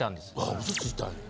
あ嘘ついたんや。